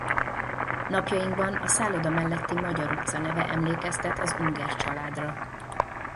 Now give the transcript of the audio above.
Napjainkban a szálloda melletti Magyar utca neve emlékeztet az Unger családra.